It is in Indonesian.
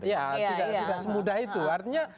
ya tidak semudah itu artinya